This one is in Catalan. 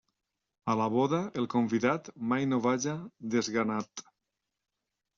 A la boda el convidat mai no vaja desganat.